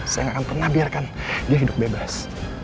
saya nggak akan pernah biarkan dia hidup bebas